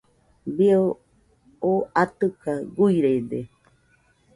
Bie oo atɨka guirede.